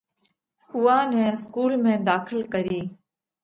اُوئا نئہ اسڪُول ۾ ڌاخل ڪرِيه۔